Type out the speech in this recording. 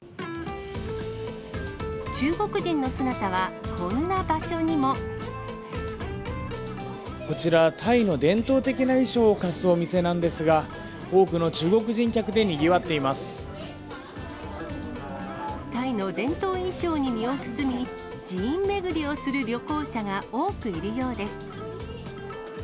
中国人の姿は、こんな場所にこちら、タイの伝統的な衣装を貸すお店なんですが、多くの中国人客でにぎタイの伝統衣装に身を包み、寺院巡りをする旅行者が多くいるようです。